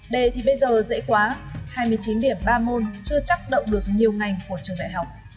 đề thì bây giờ dễ quá hai mươi chín điểm ba môn chưa chắc đậu được nhiều ngành của trường đại học